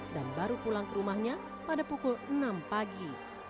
dan baru pulang ke rumahnya pada pukul enam pagi